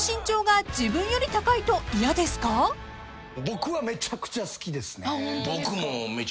僕もめちゃくちゃ好きです。